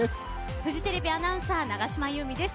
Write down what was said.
フジテレビアナウンサー永島優美です。